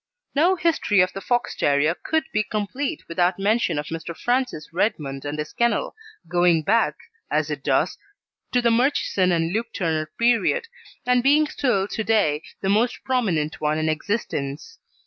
No history of the Fox terrier could be complete without mention of Mr. Francis Redmond and his kennel, going back, as it does, to the Murchison and Luke Turner period, and being still to day the most prominent one in existence.